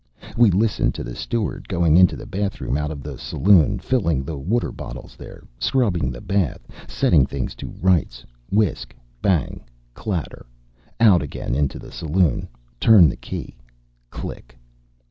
We listened to the steward going into the bathroom out of the saloon, filling the water bottles there, scrubbing the bath, setting things to rights, whisk, bang, clatter out again into the saloon turn the key click.